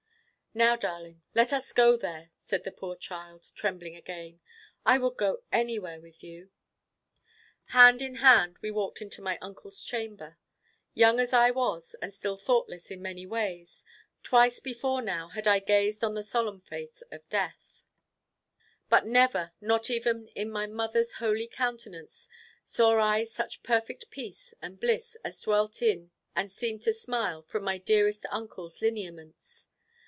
"Now, darling, let us go there," said the poor child, trembling again. "I would go anywhere with you." Hand in hand we walked into my Uncle's chamber. Young as I was, and still thoughtless in many ways, twice before now had I gazed on the solemn face of death; but never, not even in my mother's holy countenance, saw I such perfect peace and bliss as dwelt in and seemed to smile from my dearest Uncle's lineaments.